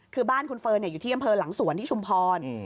คือบ้านคุณเฟิร์นอยู่ที่อำเภอหลังสวนที่ชุมพร